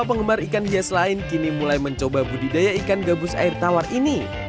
penggemar ikan hias lain kini mulai mencoba budidaya ikan gabus air tawar ini